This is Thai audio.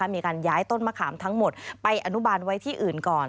มีการย้ายต้นมะขามทั้งหมดไปอนุบาลไว้ที่อื่นก่อน